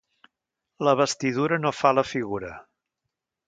La vestidura no fa la figura.